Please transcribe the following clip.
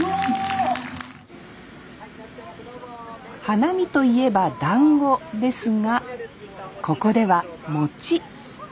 花見といえばだんごですがここでは餅。